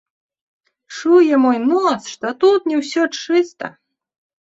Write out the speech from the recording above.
Чуе мой нос, што тут не ўсё чыста.